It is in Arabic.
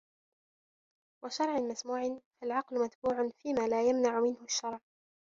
وَشَرْعٍ مَسْمُوعٍ فَالْعَقْلُ مَتْبُوعٌ فِيمَا لَا يَمْنَعُ مِنْهُ الشَّرْعُ